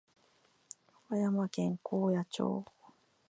和歌山県高野町